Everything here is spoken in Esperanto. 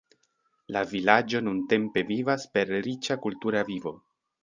La vilaĝo nuntempe vivas per riĉa kultura vivo.